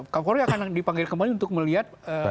kapolri akan dipanggil kembali untuk melihat